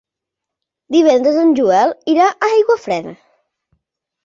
Divendres en Joel irà a Aiguafreda.